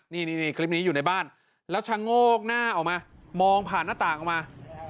นี่คลิปนี้อยู่ในบ้านแล้วชะโงกหน้าออกมามองผ่านหน้าต่างออกมา